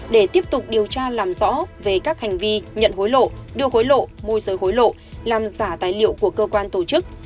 để tiếp tục điều tra làm rõ về các hành vi nhận hối lộ đưa hối lộ môi giới hối lộ làm giả tài liệu của cơ quan tổ chức